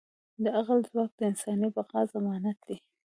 د عقل ځواک د انساني بقا ضمانت دی.